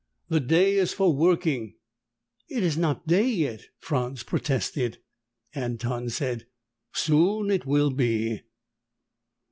"The day is for working." "It is not day yet," Franz protested. Anton said, "Soon it will be."